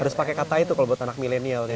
harus pakai kata itu kalau buat anak milenial nih